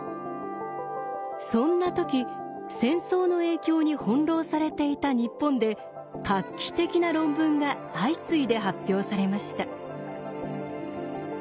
そんなとき戦争の影響に翻弄されていた日本で画期的な論文が相次いで発表されました。